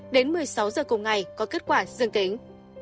đến một mươi sáu giờ cùng ngày có kết quả dương tính